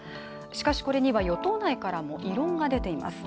しかし、これには与党内からも異論が出ています。